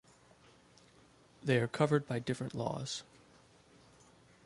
They are covered by different laws.